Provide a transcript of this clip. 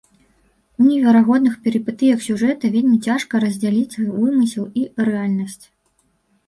У неверагодных перыпетыях сюжэта вельмі цяжка раздзяліць вымысел і рэальнасць.